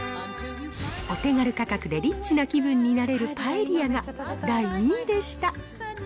お手軽価格でリッチな気分になれるパエリアが第２位でした。